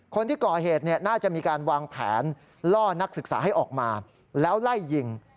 คนที่ก่อเหตุน่าจะมีการวางแผนล่อนักศึกษาให้ออกมาแล้วไล่ยิง